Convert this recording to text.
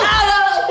aduh aduh aduh